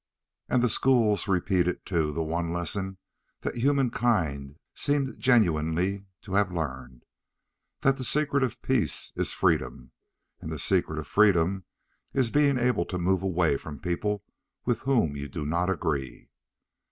And the schools repeated, too, the one lesson that humankind seemed genuinely to have learned. That the secret of peace is freedom, and the secret of freedom is to be able to move away from people with whom you do not agree.